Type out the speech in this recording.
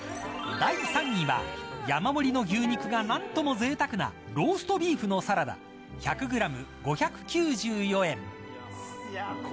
第３位は山盛りの牛肉が何ともぜいたくなローストビーフのサラダ１００グラム、５９４円。